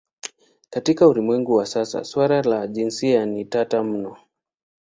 Katika ulimwengu wa sasa suala la jinsia ni tata mno.